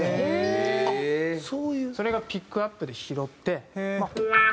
それがピックアップで拾って。